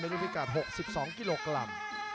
รุ่นพิกัด๖๒กิโลกรัม